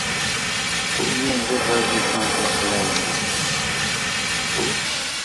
Yendi, bir dushman ko‘zi qilayin, dedim.